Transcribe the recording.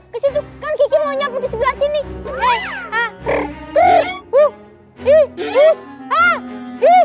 kan kiki mau nyapu di sebelah sini